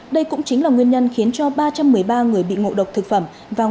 đây cũng chính là nguyên nhân khiến cho ba trăm một mươi ba người bị ngộ độc thực phẩm